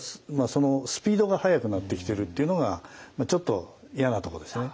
そのスピードが速くなってきてるっていうのがちょっと嫌なとこですね。